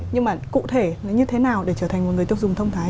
nhưng mà cụ thể như thế nào để trở thành một người tiêu dùng thông thái